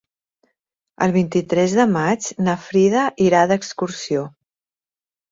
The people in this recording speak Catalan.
El vint-i-tres de maig na Frida irà d'excursió.